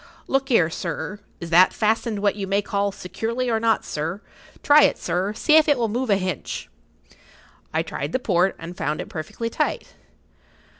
Look 'ere, sir, is that fastened what you may call securely, or not, sir? Try it, sir, see if it will move a hinch." I tried the port, and found it perfectly tight.